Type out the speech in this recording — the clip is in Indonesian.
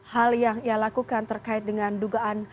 hal yang ia lakukan terkait dengan dugaan